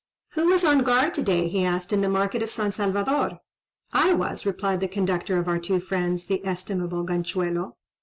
"Who was on guard to day," he asked, "in the market of San Salvador?" "I was," replied the conductor of our two friends, the estimable Ganchuelo.